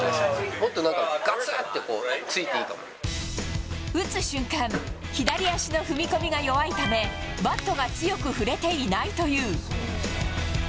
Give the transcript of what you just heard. もっとなんか、打つ瞬間、左足の踏み込みが弱いため、バットが強く振れていないという。